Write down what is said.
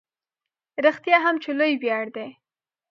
رښتیا هم چې لوی ویاړ دی.